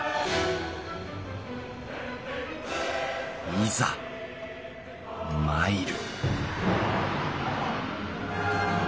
いざ参る！